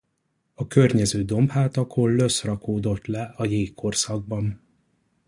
A környező dombhátakon lösz rakódott le a jégkorszakban.